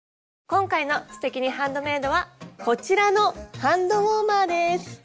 今回の「すてきにハンドメイド」はこちらのハンドウォーマーです。